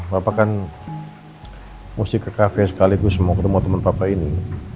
papa kan mesti ke kafe sekaligus mau ketemu temen papa ini